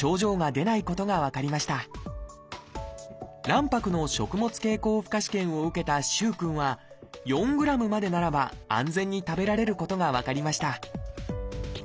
卵白の食物経口負荷試験を受けた萩くんは４ｇまでならば安全に食べられることが分かりました